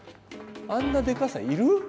あんなでかさ要る？